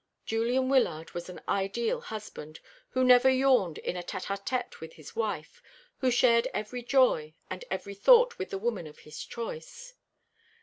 Julian Wyllard was an ideal husband, who never yawned in a tête à tête with his wife, who shared every joy and every thought with the woman of his choice.